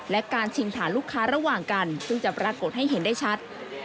และการชิงฐานลูกค้าระหว่างกันซึ่งจะปรากฏให้เห็นได้ชัด